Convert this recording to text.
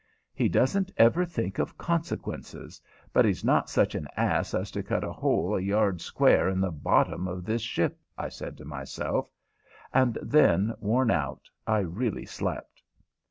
"He doesn't ever think of consequences; but he's not such an ass as to cut a hole a yard square in the bottom of this ship," I said to myself; and then, worn out, I really slept.